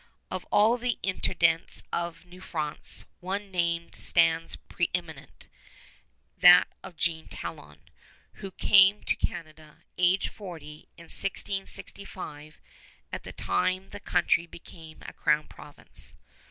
Of all the intendants of New France, one name stands preeminent, that of Jean Talon, who came to Canada, aged forty, in 1665, at the time the country became a Crown Province.